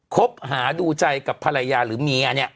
คบหาดูใจกับภรรยาหรือเมีย